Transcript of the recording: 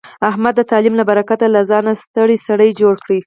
احمد د تعلیم له برکته له ځانه ستر سړی جوړ کړ.